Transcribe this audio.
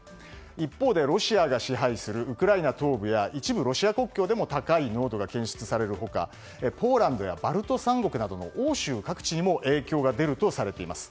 一方でロシアが支配するウクライナ東部や一部ロシア国境でも高い濃度が検出される他ポーランドやバルト三国などの欧州各地にも影響が出るとされています。